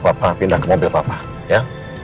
bapak pindah ke mobil papa ya